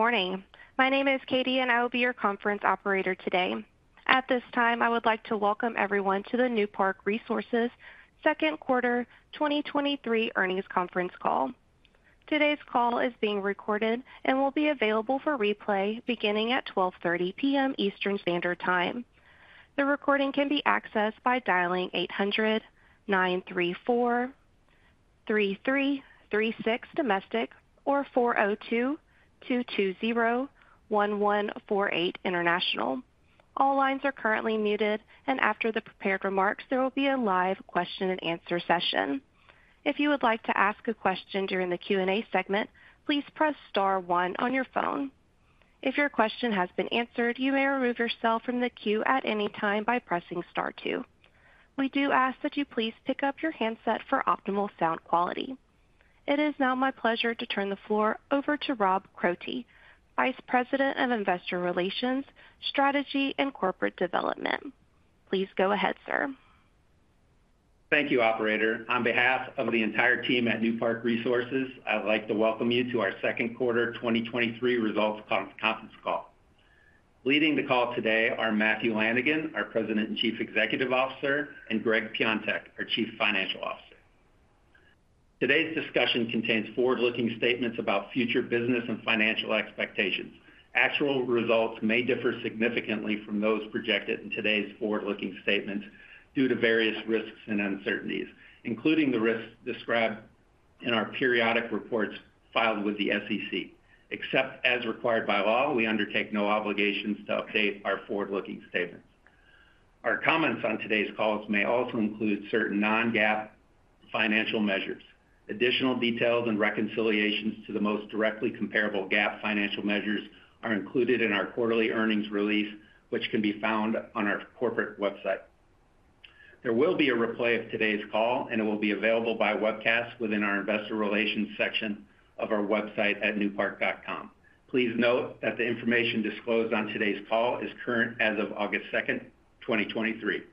Good morning. My name is Katie, and I will be your conference operator today. At this time, I would like to welcome everyone to the Newpark Resources Q2 2023 earnings conference call. Today's call is being recorded and will be available for replay beginning at 12:30 P.M. Eastern Standard Time. The recording can be accessed by dialing 800-934-3336 domestic or 402-220-1148 international. All lines are currently muted, and after the prepared remarks, there will be a live question-and-answer session. If you would like to ask a question during the Q&A segment, please press star 1 on your phone. If your question has been answered, you may remove yourself from the queue at any time by pressing star 2. We do ask that you please pick up your handset for optimal sound quality. It is now my pleasure to turn the floor over to Rob Crotty, Vice President of Investor Relations, Strategy and Corporate Development. Please go ahead, sir. Thank you, operator. On behalf of the entire team at Newpark Resources, I'd like to welcome you to our Q2 2023 results conference call. Leading the call today are Matthew Lanigan, our President and Chief Executive Officer, and Gregg Piontek, our Chief Financial Officer. Today's discussion contains forward-looking statements about future business and financial expectations. Actual results may differ significantly from those projected in today's forward-looking statement due to various risks and uncertainties, including the risks described in our periodic reports filed with the SEC. Except as required by law, we undertake no obligations to update our forward-looking statements. Our comments on today's calls may also include certain non-GAAP financial measures. Additional details and reconciliations to the most directly comparable GAAP financial measures are included in our quarterly earnings release, which can be found on our corporate website. There will be a replay of today's call, and it will be available by webcast within our investor relations section of our website at newpark.com. Please note that the information disclosed on today's call is current as of August 2nd, 2023.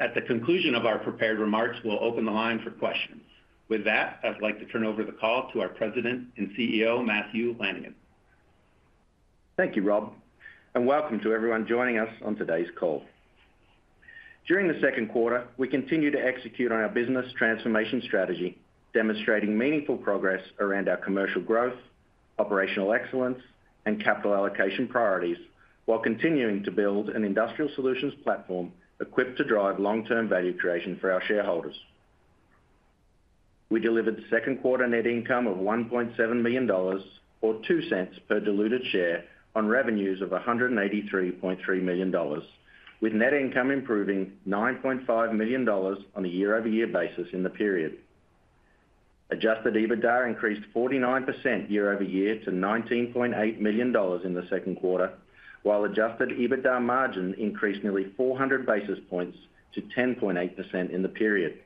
At the conclusion of our prepared remarks, we'll open the line for questions. With that, I'd like to turn over the call to our President and CEO, Matthew Lanigan. Thank you, Rob, and welcome to everyone joining us on today's call. During the Q2, we continued to execute on our business transformation strategy, demonstrating meaningful progress around our commercial growth, operational excellence, and capital allocation priorities, while continuing to build an Industrial Solutions platform equipped to drive long-term value creation for our shareholders. We delivered Q2 net income of $1.7 million, or $0.02 per diluted share on revenues of $183.3 million, with net income improving $9.5 million on a year-over-year basis in the period. Adjusted EBITDA increased 49% year-over-year to $19.8 million in the Q2, while Adjusted EBITDA margin increased nearly 400 basis points to 10.8% in the period.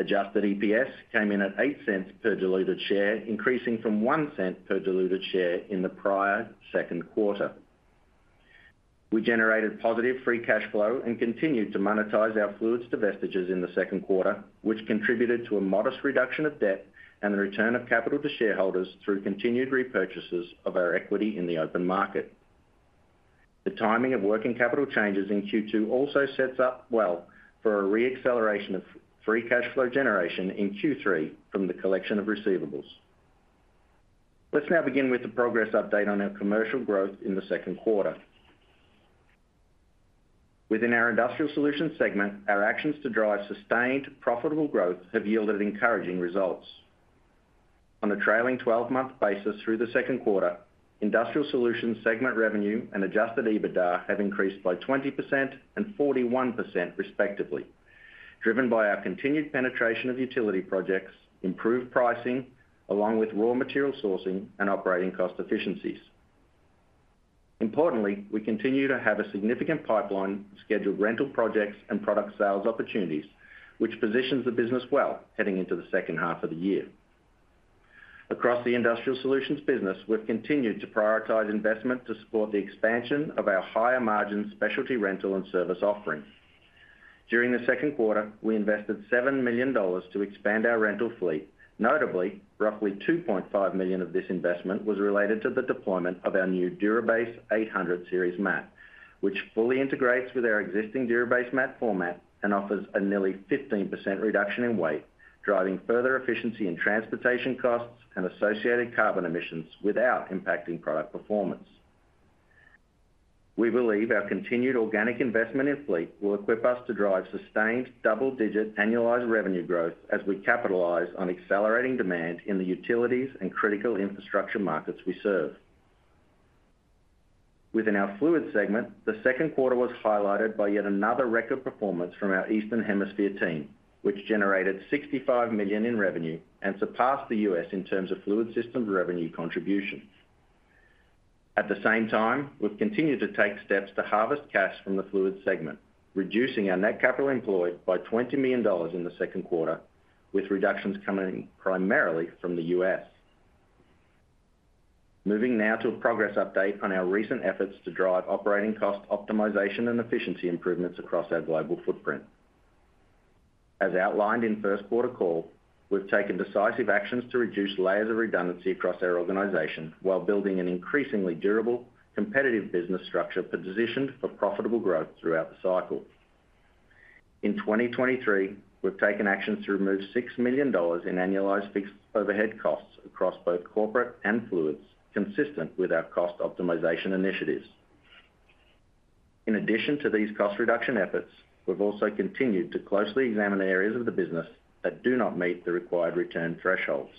Adjusted EPS came in at $0.08 per diluted share, increasing from $0.01 per diluted share in the prior Q2. We generated positive free cash flow and continued to monetize our fluids divestitures in the Q2, which contributed to a modest reduction of debt and the return of capital to shareholders through continued repurchases of our equity in the open market. The timing of working capital changes in Q2 also sets up well for a re-acceleration of free cash flow generation in Q3 from the collection of receivables. Let's now begin with the progress update on our commercial growth in the Q2. Within our Industrial Solutions segment, our actions to drive sustained, profitable growth have yielded encouraging results. On a trailing 12-month basis through the Q2, Industrial Solutions segment revenue and Adjusted EBITDA have increased by 20% and 41%, respectively, driven by our continued penetration of utility projects, improved pricing, along with raw material sourcing and operating cost efficiencies. Importantly, we continue to have a significant pipeline, scheduled rental projects and product sales opportunities, which positions the business well heading into the second half of the year. Across the Industrial Solutions business, we've continued to prioritize investment to support the expansion of our higher-margin specialty rental and service offerings. During the Q2, we invested $7 million to expand our rental fleet. Notably, roughly $2.5 million of this investment was related to the deployment of our new DURA-BASE 800 Series mat, which fully integrates with our existing DURA-BASE mat format and offers a nearly 15% reduction in weight, driving further efficiency in transportation costs and associated carbon emissions without impacting product performance. We believe our continued organic investment in fleet will equip us to drive sustained double-digit annualized revenue growth as we capitalize on accelerating demand in the utilities and critical infrastructure markets we serve. Within our fluids segment, the Q2 was highlighted by yet another record performance from our Eastern Hemisphere team, which generated $65 million in revenue and surpassed the US in terms of Fluid Systems revenue contributions. At the same time, we've continued to take steps to harvest cash from the fluids segment, reducing our net capital employed by $20 million in the Q2, with reductions coming primarily from the U.S. Moving now to a progress update on our recent efforts to drive operating cost optimization and efficiency improvements across our global footprint. As outlined in Q1 call, we've taken decisive actions to reduce layers of redundancy across our organization, while building an increasingly durable, competitive business structure positioned for profitable growth throughout the cycle. In 2023, we've taken actions to remove $6 million in annualized fixed overhead costs across both corporate and fluids, consistent with our cost optimization initiatives. In addition to these cost reduction efforts, we've also continued to closely examine the areas of the business that do not meet the required return thresholds.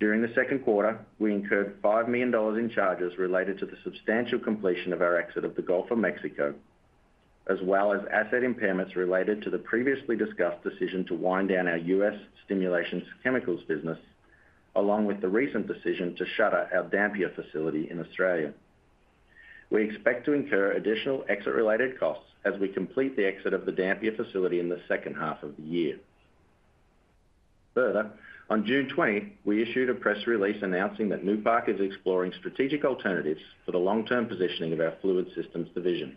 During the Q2, we incurred $5 million in charges related to the substantial completion of our exit of the Gulf of Mexico, as well as asset impairments related to the previously discussed decision to wind down our U.S. stimulation chemicals business, along with the recent decision to shutter our Dampier facility in Australia. We expect to incur additional exit-related costs as we complete the exit of the Dampier facility in the second half of the year. Further, on June 20th, we issued a press release announcing that Newpark is exploring strategic alternatives for the long-term positioning of our Fluid Systems division.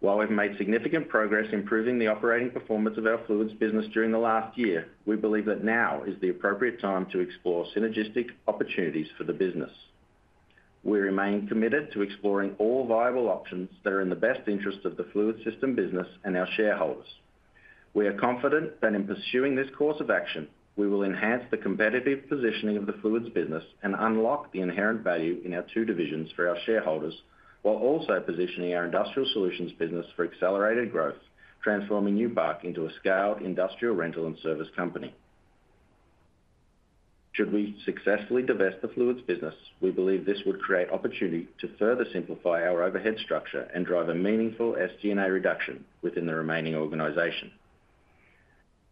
While we've made significant progress improving the operating performance of our fluids business during the last year, we believe that now is the appropriate time to explore synergistic opportunities for the business. We remain committed to exploring all viable options that are in the best interest of the Fluid Systems business and our shareholders. We are confident that in pursuing this course of action, we will enhance the competitive positioning of the fluids business and unlock the inherent value in our two divisions for our shareholders, while also positioning our Industrial Solutions business for accelerated growth, transforming Newpark into a scaled industrial rental and service company. Should we successfully divest the fluids business, we believe this would create opportunity to further simplify our overhead structure and drive a meaningful SG&A reduction within the remaining organization.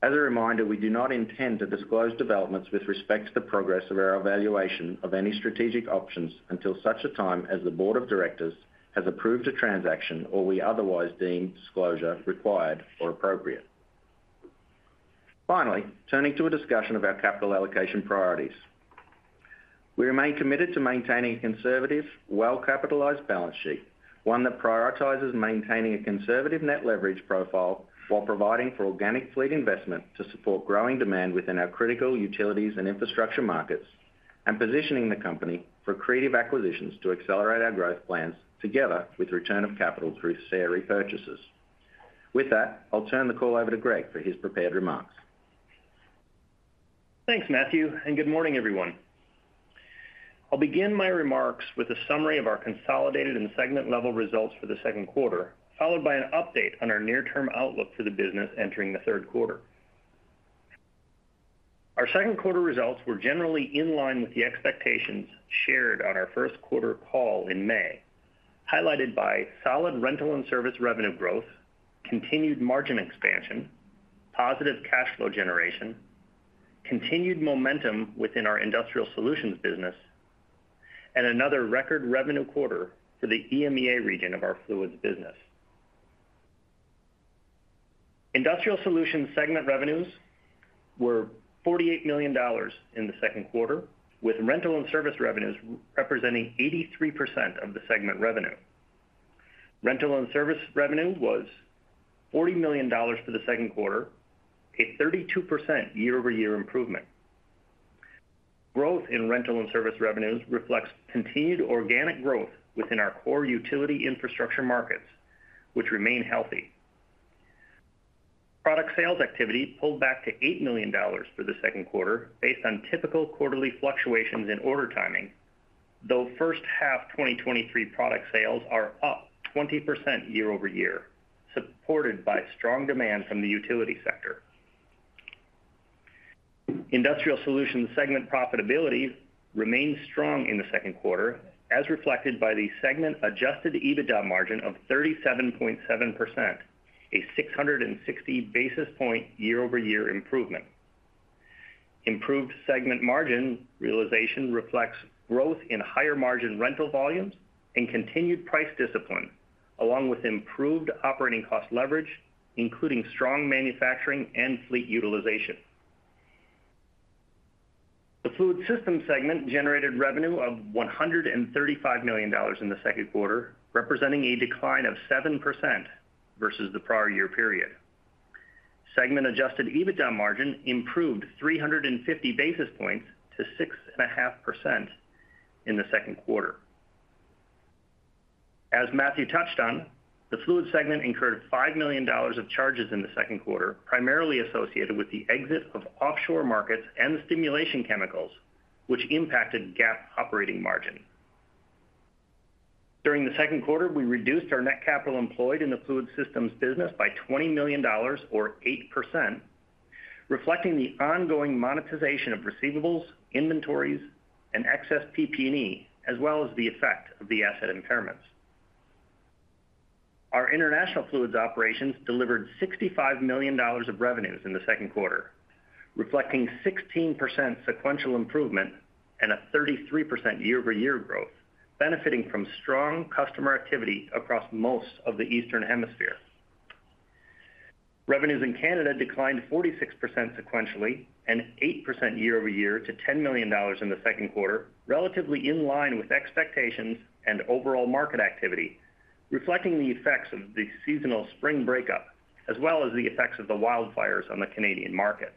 As a reminder, we do not intend to disclose developments with respect to the progress of our evaluation of any strategic options until such a time as the board of directors has approved a transaction or we otherwise deem disclosure required or appropriate. Finally, turning to a discussion of our capital allocation priorities. We remain committed to maintaining a conservative, well-capitalized balance sheet, one that prioritizes maintaining a conservative net leverage profile while providing for organic fleet investment to support growing demand within our critical utilities and infrastructure markets, and positioning the company for creative acquisitions to accelerate our growth plans together with return of capital through share repurchases. With that, I'll turn the call over to Gregg for his prepared remarks. Thanks, Matthew. Good morning, everyone. I'll begin my remarks with a summary of our consolidated and segment-level results for the Q2, followed by an update on our near-term outlook for the business entering the Q3. Our Q2 results were generally in line with the expectations shared on our Q1 call in May, highlighted by solid rental and service revenue growth, continued margin expansion, positive cash flow generation, continued momentum within our Industrial Solutions business, and another record revenue quarter for the EMEA region of our fluids business. Industrial Solutions segment revenues were $48 million in the Q2, with rental and service revenues representing 83% of the segment revenue. Rental and service revenue was $40 million for the Q2, a 32% year-over-year improvement. Growth in rental and service revenues reflects continued organic growth within our core utility infrastructure markets, which remain healthy. Product sales activity pulled back to $8 million for the Q2, based on typical quarterly fluctuations in order timing, though first half 2023 product sales are up 20% year-over-year, supported by strong demand from the utility sector. Industrial Solutions segment profitability remained strong in the Q2, as reflected by the segment Adjusted EBITDA margin of 37.7%, a 660 basis point year-over-year improvement. Improved segment margin realization reflects growth in higher-margin rental volumes and continued price discipline, along with improved operating cost leverage, including strong manufacturing and fleet utilization. The Fluid Systems segment generated revenue of $135 million in the Q2, representing a decline of 7% versus the prior year period. Segment Adjusted EBITDA margin improved 350 basis points to 6.5% in the Q2. As Matthew touched on, the Fluid segment incurred $5 million of charges in the Q2, primarily associated with the exit of offshore markets and the stimulation chemicals, which impacted GAAP operating margin. During the Q2, we reduced our net capital employed in the Fluid Systems business by $20 million or 8%, reflecting the ongoing monetization of receivables, inventories, and excess PP&E, as well as the effect of the asset impairments. Our international fluids operations delivered $65 million of revenues in the Q2, reflecting 16% sequential improvement and a 33% year-over-year growth, benefiting from strong customer activity across most of the Eastern Hemisphere. Revenues in Canada declined 46% sequentially and 8% year-over-year to $10 million in the Q2, relatively in line with expectations and overall market activity, reflecting the effects of the seasonal spring breakup, as well as the effects of the wildfires on the Canadian market.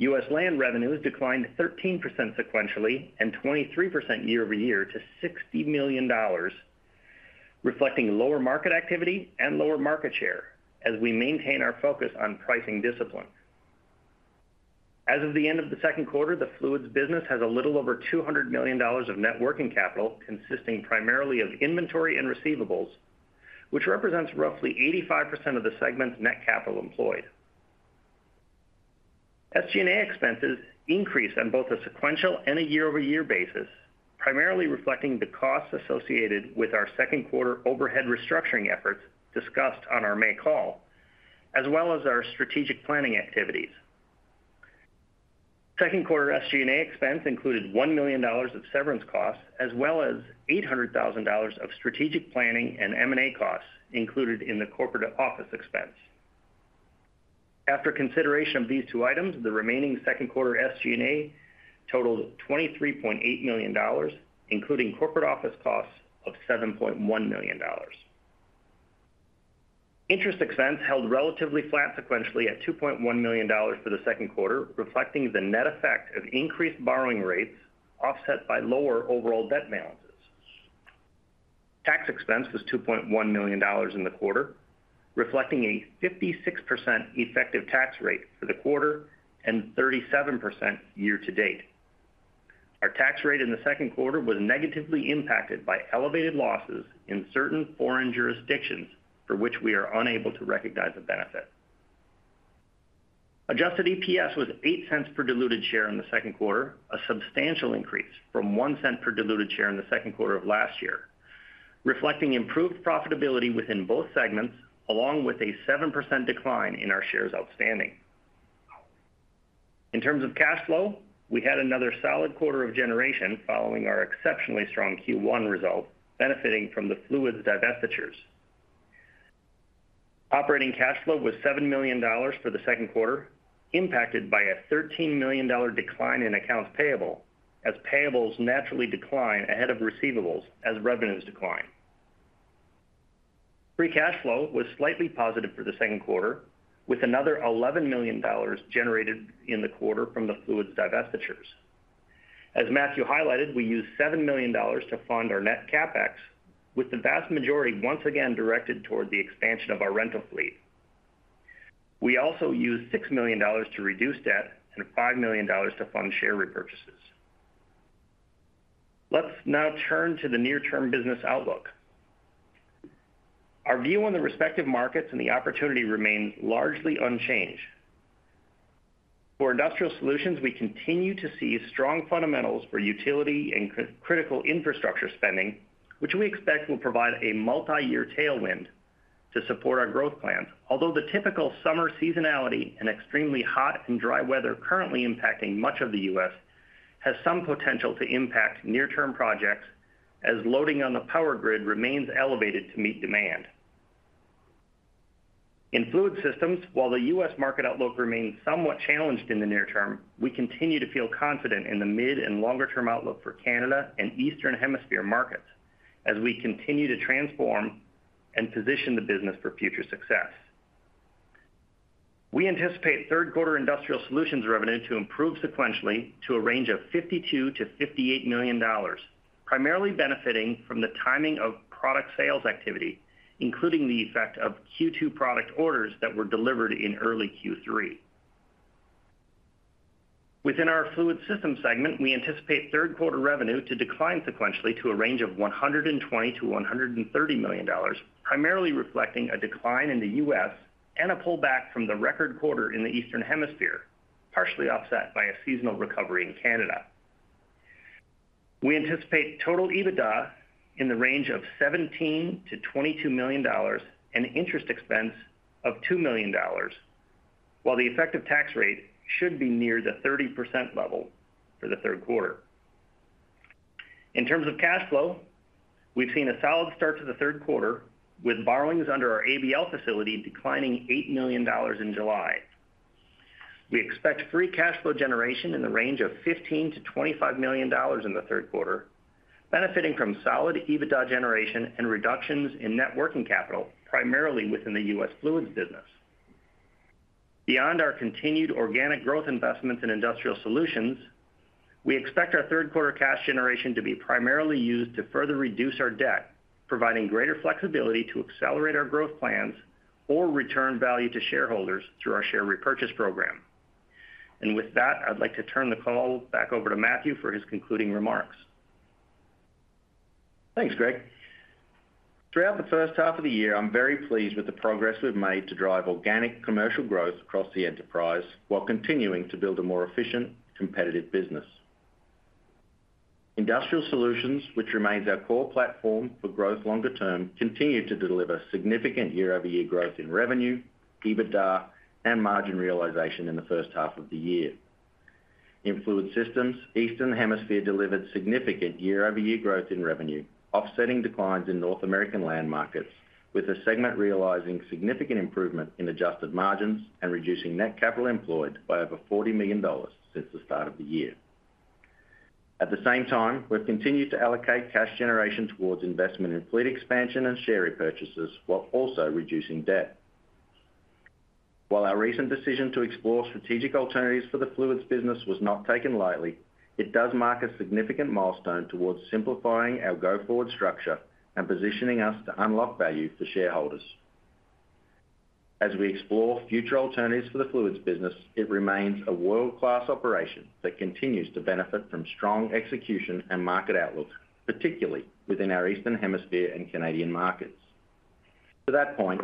US land revenues declined 13% sequentially, and 23% year-over-year to $60 million, reflecting lower market activity and lower market share as we maintain our focus on pricing discipline. As of the end of the Q2, the fluids business has a little over $200 million of net working capital, consisting primarily of inventory and receivables, which represents roughly 85% of the segment's net capital employed. SG&A expenses increased on both a sequential and a year-over-year basis, primarily reflecting the costs associated with our Q2 overhead restructuring efforts discussed on our May call, as well as our strategic planning activities. Q2 SG&A expense included $1 million of severance costs, as well as $800,000 of strategic planning and M&A costs included in the corporate office expense. After consideration of these two items, the remaining Q2 SG&A totaled $23.8 million, including corporate office costs of $7.1 million. Interest expense held relatively flat sequentially at $2.1 million for the Q2, reflecting the net effect of increased borrowing rates, offset by lower overall debt balances. Tax expense was $2.1 million in the quarter, reflecting a 56% effective tax rate for the quarter, and 37% year-to-date. Our tax rate in the Q2 was negatively impacted by elevated losses in certain foreign jurisdictions, for which we are unable to recognize the benefit. Adjusted EPS was $0.08 per diluted share in the Q2, a substantial increase from $0.01 per diluted share in the Q2 of last year, reflecting improved profitability within both segments, along with a 7% decline in our shares outstanding. In terms of cash flow, we had another solid quarter of generation following our exceptionally strong Q1 result, benefiting from the fluids divestitures. Operating cash flow was $7 million for the Q2, impacted by a $13 million decline in accounts payable, as payables naturally decline ahead of receivables as revenues decline. Free cash flow was slightly positive for the Q2, with another $11 million generated in the quarter from the fluids divestitures. As Matthew highlighted, we used $7 million to fund our net CapEx, with the vast majority once again directed toward the expansion of our rental fleet. We also used $6 million to reduce debt and $5 million to fund share repurchases. Let's now turn to the near-term business outlook. Our view on the respective markets and the opportunity remains largely unchanged. For Industrial Solutions, we continue to see strong fundamentals for utility and critical infrastructure spending, which we expect will provide a multi-year tailwind to support our growth plans. Although the typical summer seasonality and extremely hot and dry weather currently impacting much of the US, has some potential to impact near-term projects, as loading on the power grid remains elevated to meet demand. In Fluid Systems, while the US market outlook remains somewhat challenged in the near term, we continue to feel confident in the mid and longer-term outlook for Canada and Eastern Hemisphere markets as we continue to transform and position the business for future success. We anticipate Q3 Industrial Solutions revenue to improve sequentially to a range of $52 million-$58 million, primarily benefiting from the timing of product sales activity, including the effect of Q2 product orders that were delivered in early Q3. Within our Fluid Systems segment, we anticipate Q3 revenue to decline sequentially to a range of $120 million-$130 million, primarily reflecting a decline in the US and a pullback from the record quarter in the Eastern Hemisphere, partially offset by a seasonal recovery in Canada. We anticipate total EBITDA in the range of $17 million-$22 million and interest expense of $2 million, while the effective tax rate should be near the 30% level for the Q3. In terms of cash flow, we've seen a solid start to the Q3, with borrowings under our ABL facility declining $8 million in July. We expect free cash flow generation in the range of $15 million-$25 million in the Q3, benefiting from solid EBITDA generation and reductions in net working capital, primarily within the U.S. fluids business. Beyond our continued organic growth investments in Industrial Solutions, we expect our Q3 cash generation to be primarily used to further reduce our debt, providing greater flexibility to accelerate our growth plans or return value to shareholders through our share repurchase program. With that, I'd like to turn the call back over to Matthew for his concluding remarks. Thanks, Gregg. Throughout the first half of the year, I'm very pleased with the progress we've made to drive organic commercial growth across the enterprise, while continuing to build a more efficient, competitive business. Industrial Solutions, which remains our core platform for growth longer term, continued to deliver significant year-over-year growth in revenue, EBITDA, and margin realization in the first half of the year. In Fluid Systems, Eastern Hemisphere delivered significant year-over-year growth in revenue, offsetting declines in North American land markets, with the segment realizing significant improvement in adjusted margins and reducing net capital employed by over $40 million since the start of the year. At the same time, we've continued to allocate cash generation towards investment in fleet expansion and share repurchases, while also reducing debt. While our recent decision to explore strategic alternatives for the Fluids business was not taken lightly, it does mark a significant milestone towards simplifying our go-forward structure and positioning us to unlock value for shareholders. As we explore future alternatives for the Fluids business, it remains a world-class operation that continues to benefit from strong execution and market outlook, particularly within our Eastern Hemisphere and Canadian markets. To that point,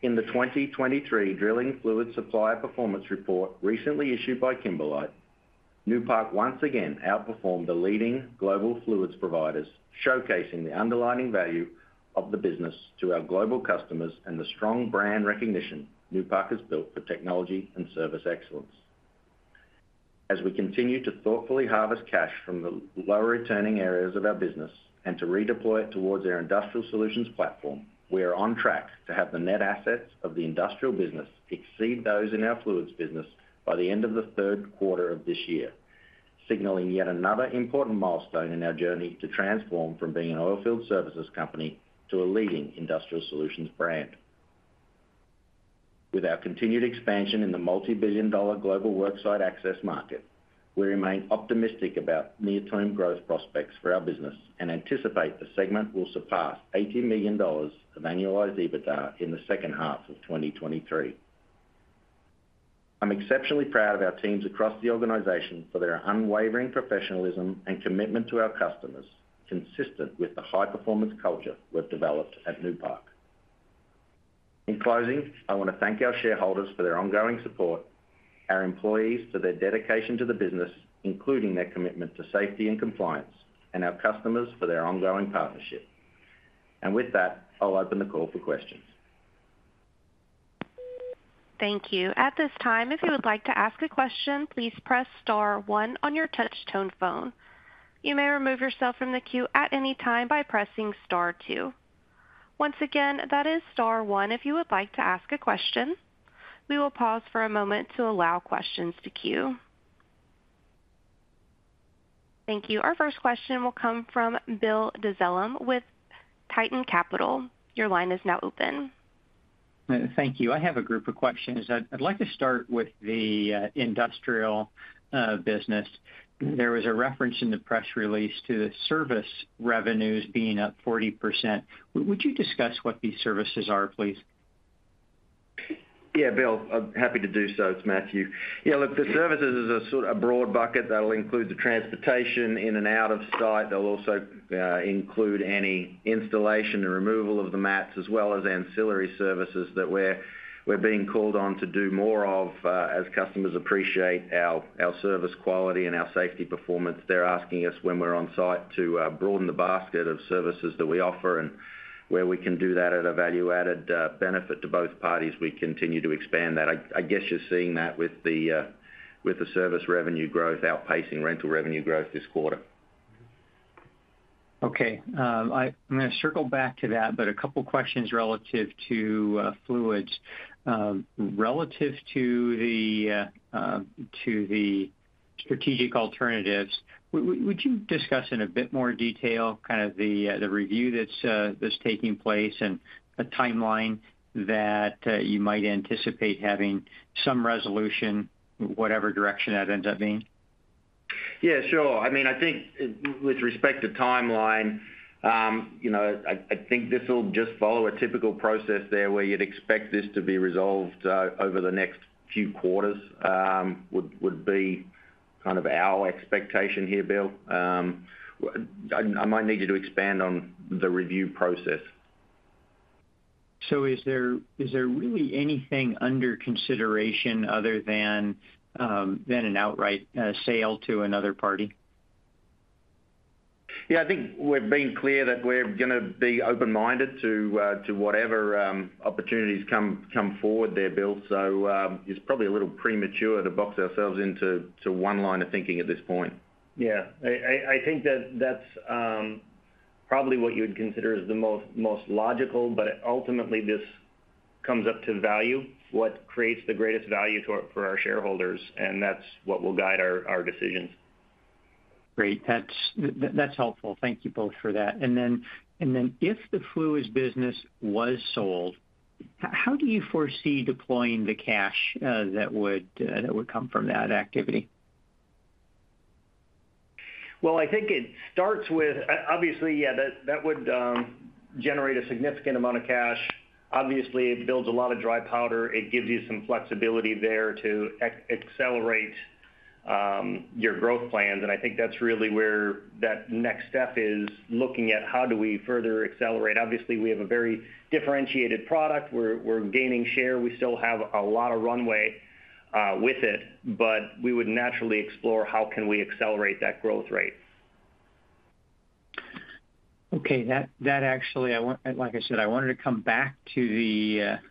in the 2023 Drilling Fluids Supplier Performance Report, recently issued by Kimberlite, Newpark once again outperformed the leading global fluids providers, showcasing the underlining value of the business to our global customers and the strong brand recognition Newpark has built for technology and service excellence. As we continue to thoughtfully harvest cash from the lower-returning areas of our business and to redeploy it towards our Industrial Solutions platform, we are on track to have the net assets of the industrial business exceed those in our Fluids Business by the end of the Q3 of this year, signaling yet another important milestone in our journey to transform from being an oilfield services company to a leading Industrial Solutions brand. With our continued expansion in the multibillion-dollar global worksite access market, we remain optimistic about near-term growth prospects for our business and anticipate the segment will surpass $80 million of annualized EBITDA in the second half of 2023. I'm exceptionally proud of our teams across the organization for their unwavering professionalism and commitment to our customers, consistent with the high-performance culture we've developed at Newpark. In closing, I want to thank our shareholders for their ongoing support, our employees for their dedication to the business, including their commitment to safety and compliance, and our customers for their ongoing partnership. With that, I'll open the call for questions. Thank you. At this time, if you would like to ask a question, please press star 1 on your touch tone phone. You may remove yourself from the queue at any time by pressing star 2. Once again, that is star 1 if you would like to ask a question. We will pause for a moment to allow questions to queue. Thank you. Our first question will come from Bill Dezellem with Tieton Capital Management. Your line is now open. Thank you. I have a group of questions. I'd like to start with the Industrial Solutions business. There was a reference in the press release to the service revenues being up 40%. Would you discuss what these services are, please? Yeah, Bill, I'm happy to do so. It's Matthew. Yeah, look, the services is a sort of a broad bucket that'll include the transportation in and out of site. They'll also include any installation and removal of the mats, as well as ancillary services that we're, we're being called on to do more of, as customers appreciate our, our service quality and our safety performance. They're asking us when we're on site to broaden the basket of services that we offer and where we can do that at a value-added benefit to both parties, we continue to expand that. I, I guess you're seeing that with the service revenue growth outpacing rental revenue growth this quarter. Okay, I'm gonna circle back to that, but a couple questions relative to Fluids. Relative to the strategic alternatives, would you discuss in a bit more detail, kind of the review that's taking place and a timeline that you might anticipate having some resolution, whatever direction that ends up being? Yeah, sure. I mean, I think with respect to timeline, you know, I, I think this will just follow a typical process there, where you'd expect this to be resolved over the next few quarters. Would be kind of our expectation here, Bill. I might need you to expand on the review process. Is there, is there really anything under consideration other than, than an outright, sale to another party? Yeah, I think we've been clear that we're gonna be open-minded to, to whatever opportunities come, come forward there, Bill. It's probably a little premature to box ourselves into, to one line of thinking at this point. Yeah. I think that that's probably what you would consider is the most, most logical. Ultimately, this comes up to value, what creates the greatest value for our shareholders. That's what will guide our, our decisions. Great. That's, that's helpful. Thank you both for that. Then, and then if the Fluids business was sold, how do you foresee deploying the cash, that would, that would come from that activity? Well, I think it starts with. Obviously, that would generate a significant amount of cash. Obviously, it builds a lot of dry powder. It gives you some flexibility there to accelerate your growth plans, and I think that's really where that next step is, looking at how do we further accelerate. Obviously, we have a very differentiated product. We're gaining share. We still have a lot of runway with it, but we would naturally explore how can we accelerate that growth rate. Okay. That, that actually, I want-- like I said, I wanted to come back to the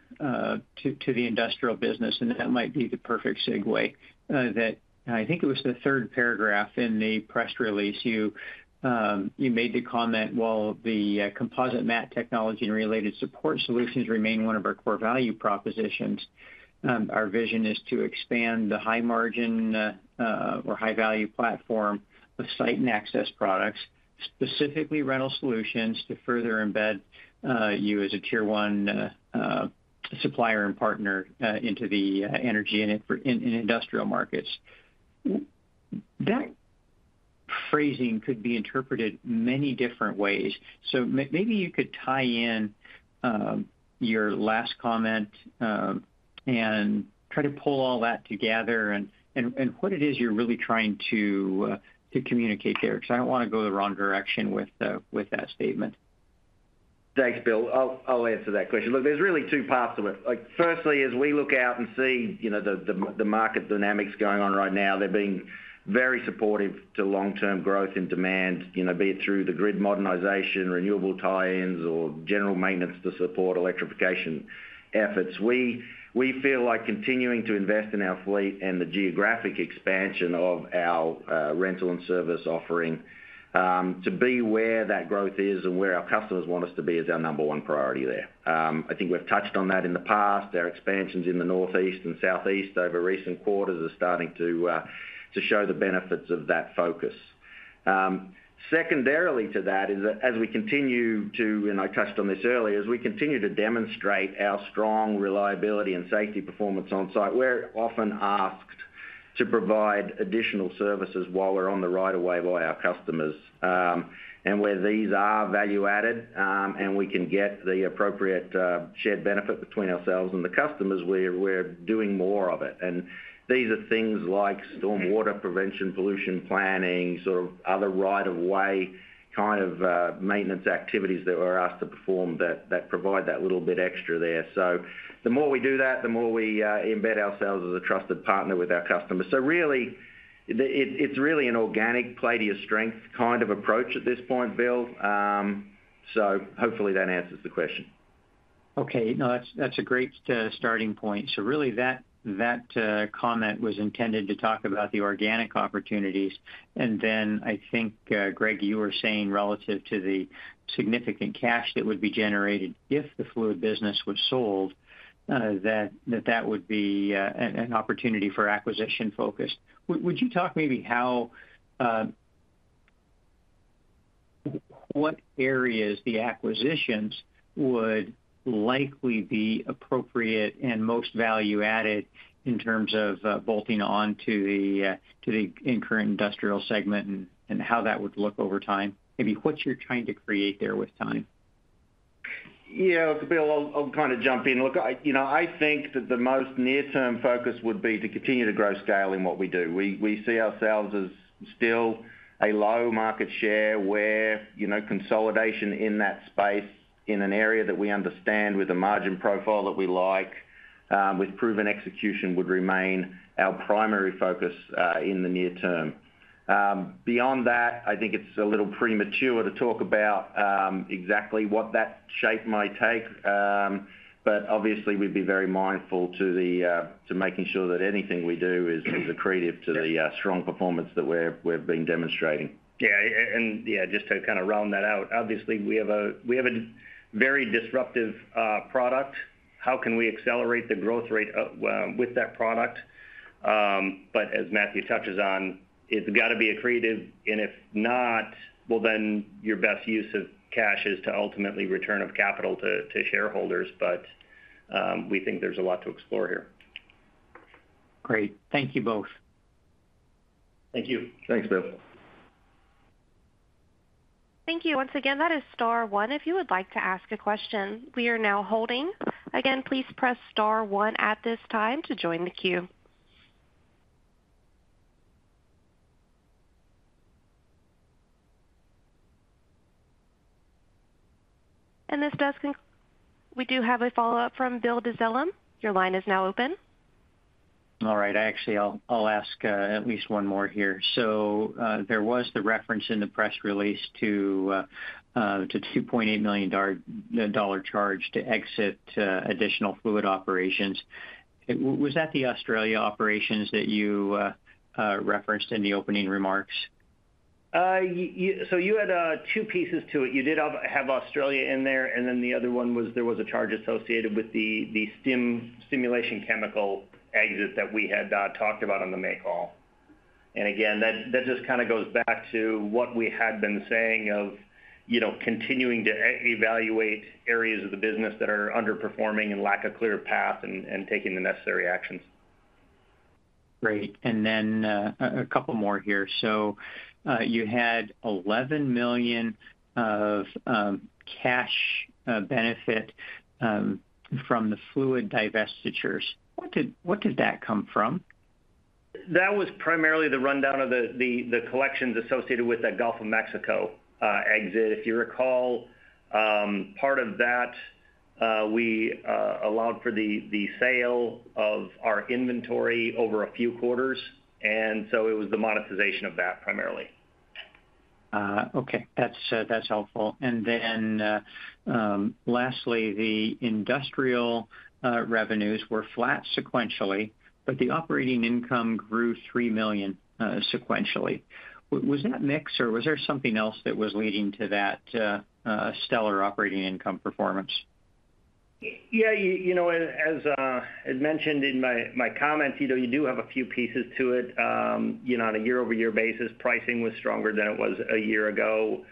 industrial business, and that might be the perfect segue. That I think it was the third paragraph in the press release, you made the comment, "While the composite mat technology and related support solutions remain one of our core value propositions, our vision is to expand the high margin or high value platform of site and access products." specifically rental solutions to further embed you as a tier one supplier and partner into the energy and industrial markets. That phrasing could be interpreted many different ways. Maybe you could tie in your last comment and try to pull all that together and, and, and what it is you're really trying to communicate there? Because I don't want to go the wrong direction with that statement. Thanks, Bill. I'll, I'll answer that question. Look, there's really two parts to it. Like, firstly, as we look out and see, you know, the, the, the market dynamics going on right now, they're being very supportive to long-term growth and demand, you know, be it through the grid modernization, renewable tie-ins, or general maintenance to support electrification efforts. We, we feel like continuing to invest in our fleet and the geographic expansion of our rental and service offering to be where that growth is and where our customers want us to be, is our number one priority there. I think we've touched on that in the past. Our expansions in the Northeast and Southeast over recent quarters are starting to show the benefits of that focus. Secondarily to that is that as we continue to, and I touched on this earlier, as we continue to demonstrate our strong reliability and safety performance on site, we're often asked to provide additional services while we're on the right of way by our customers. And where these are value added, and we can get the appropriate shared benefit between ourselves and the customers, we're doing more of it. And these are things like stormwater prevention, pollution planning, sort of other right of way, kind of maintenance activities that we're asked to perform, that, that provide that little bit extra there. The more we do that, the more we embed ourselves as a trusted partner with our customers. Really, it's really an organic play to your strength kind of approach at this point, Bill. Hopefully that answers the question. Okay. No, that's, that's a great starting point. Really, that, that comment was intended to talk about the organic opportunities. Then I think Gregg, you were saying relative to the significant cash that would be generated if the fluid business was sold, that that would be an opportunity for acquisition focus. Would, would you talk maybe how, what areas the acquisitions would likely be appropriate and most value added in terms of bolting on to the to the current Industrial segment and how that would look over time? Maybe what you're trying to create there with time. Yeah, Bill, I'll, I'll kind of jump in. Look, I, you know, I think that the most near-term focus would be to continue to grow scale in what we do. We, we see ourselves as still a low market share where, you know, consolidation in that space, in an area that we understand, with a margin profile that we like, with proven execution, would remain our primary focus in the near term. Beyond that, I think it's a little premature to talk about exactly what that shape might take. Obviously, we'd be very mindful to the to making sure that anything we do is accretive to the strong performance that we're, we're been demonstrating. Yeah, and, yeah, just to kind of round that out, obviously, we have a very disruptive product. How can we accelerate the growth rate with that product? As Matthew touches on, it's got to be accretive, and if not, well, then your best use of cash is to ultimately return of capital to, to shareholders. We think there's a lot to explore here. Great. Thank you both. Thank you. Thanks, Bill. Thank you. Once again, that is star one. If you would like to ask a question, we are now holding. Again, please press star one at this time to join the queue. This we do have a follow-up from William Dezellem. Your line is now open. All right. Actually, I'll, I'll ask at least one more here. There was the reference in the press release to a $2.8 million dollar charge to exit additional fluid operations. Was that the Australia operations that you referenced in the opening remarks? You had two pieces to it. You did have Australia in there, and then the other one was, there was a charge associated with the stimulation chemical exit that we had talked about on the May call. Again, that just kind of goes back to what we had been saying of, you know, continuing to evaluate areas of the business that are underperforming and lack a clear path, and taking the necessary actions. Great. Then, a couple more here. You had $11 million of cash benefit from the fluid divestitures. What did, what did that come from? That was primarily the rundown of the collections associated with that Gulf of Mexico exit. If you recall, part of that, we allowed for the sale of our inventory over a few quarters, and so it was the monetization of that, primarily. Okay, that's, that's helpful. Lastly, the Industrial revenues were flat sequentially, but the operating income grew $3 million sequentially. Was that mix, or was there something else that was leading to that stellar operating income performance?... Yeah, you know, as mentioned in my, my comments, you know, you do have a few pieces to it. You know, on a year-over-year basis, pricing was stronger than it was a year ago.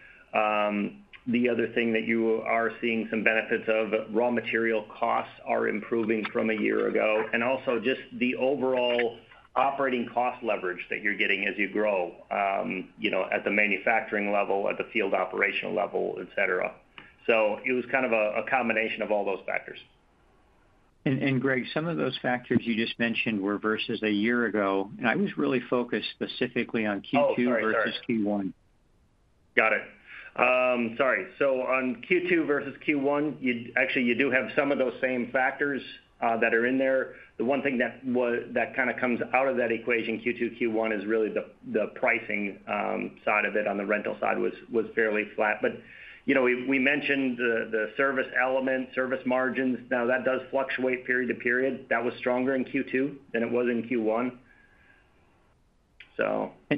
The other thing that you are seeing some benefits of, raw material costs are improving from a year ago, and also just the overall operating cost leverage that you're getting as you grow, you know, at the manufacturing level, at the field operational level, et cetera. It was kind of a, a combination of all those factors. Gregg, some of those factors you just mentioned were versus a year ago, and I was really focused specifically on Q2. Oh, sorry. Sorry. versus Q1. Got it. Sorry. On Q2 versus Q1, you actually, you do have some of those same factors that are in there. The one thing that kind of comes out of that equation, Q2, Q1, is really the pricing side of it on the rental side was fairly flat. You know, we mentioned the service element, service margins. Now, that does fluctuate period to period. That was stronger in Q2 than it was in Q1.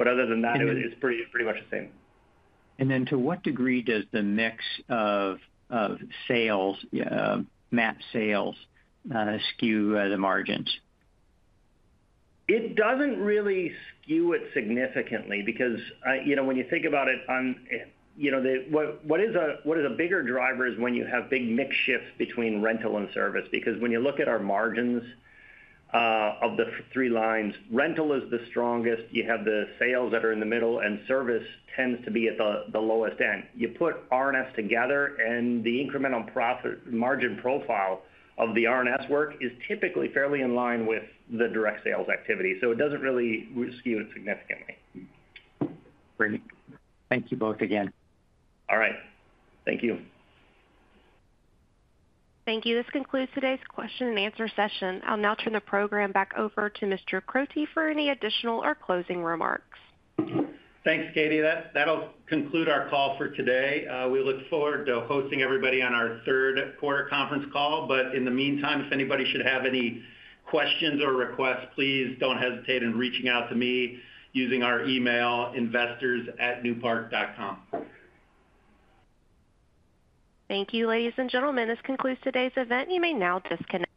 Other than that, it's pretty much the same. Then to what degree does the mix of sales, map sales, skew the margins? It doesn't really skew it significantly because, you know, when you think about it, on, you know, what is a bigger driver is when you have big mix shifts between rental and service. Because when you look at our margins, of the three lines, rental is the strongest. You have the sales that are in the middle, and service tends to be at the lowest end. You put RNS together, and the incremental profit margin profile of the RNS work is typically fairly in line with the direct sales activity, so it doesn't really skew it significantly. Great. Thank you both again. All right. Thank you. Thank you. This concludes today's question and answer session. I'll now turn the program back over to Mr. Crotty for any additional or closing remarks. Thanks, Katie. That'll conclude our call for today. We look forward to hosting everybody on our Q3 conference call. In the meantime, if anybody should have any questions or requests, please don't hesitate in reaching out to me using our email, investors@newpark.com. Thank you, ladies and gentlemen. This concludes today's event. You may now disconnect.